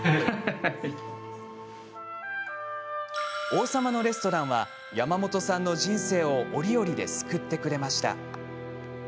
「王様のレストラン」は山本さんの人生を折々で救ってくれました。